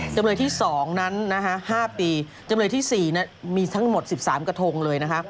จำเลยที่๒นั้น๕ปีจำเลยที่๔มีทั้งหมด๑๓กระทงเลยนะคะ